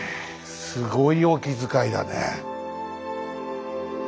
すごいお気遣いだね。